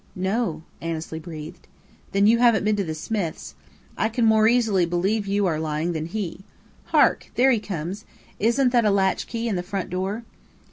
"No," Annesley breathed. "Then you haven't been to the Smiths'. I can more easily believe you are lying than he. Hark! There he comes. Isn't that a latchkey in the front door?"